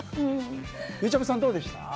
ゆうちゃみさんはどうですか？